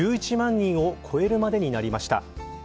人を超えるまでになりました。